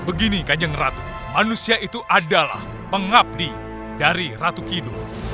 begini kanjeng ratu manusia itu adalah pengabdi dari ratu kidul